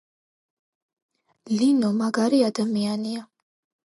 ლი ნო მაგარი ადამიანია